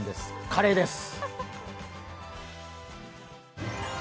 カレーです。